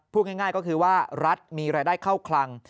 พูดง่ายก็คือว่ารัฐมีรายได้เข้าคลัง